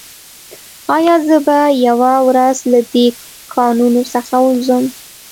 ایا زه به یوه ورځ له دې کانونو څخه ووځم